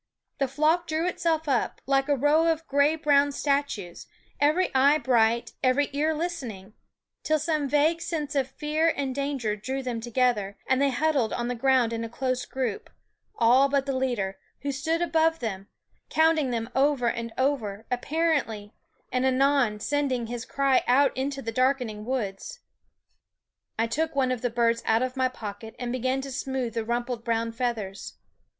The flock drew itself up, like a row of gray brown statues, every eye bright, every ear listening, till 'fioli Ca/L some vague sense of fear and danger drew them together; and they huddled on the ground in a close group, all but the leader, who stood above them, counting them over and over, apparently, and anon sending his cry out into the darkening woods. I took one of the birds out of my pocket and began to smooth the rumpled brown feathers.